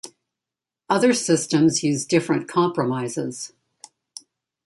Other systems use different compromises.